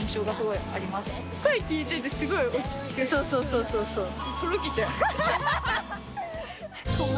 そうそうそうそう。